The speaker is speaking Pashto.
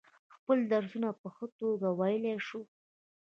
خپل درسونه په ښه توگه ویلای شو.